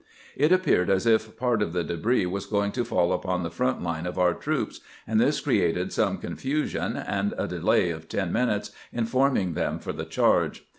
It appeared as if 264 CAMPAIGNING WITH GRANT part of the debris was going to fall upon tlie front line of our troops, and this created some confusion and a delay of ten minutes in forming them for the charge.